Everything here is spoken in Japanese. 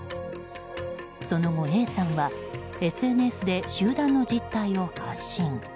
その後、ＡさんはＳＮＳで集団の実態を発信。